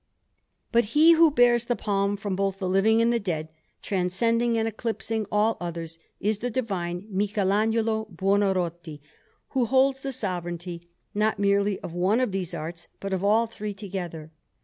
But he who bears the palm from both the living and the dead, transcending and eclipsing all others, is the divine Michelagnolo Buonarroti, who holds the sovereignty not merely of one of these arts, but of all three together.